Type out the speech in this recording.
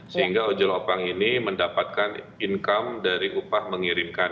sehingga ojol opang ini mendapatkan income dari upah mengirimkan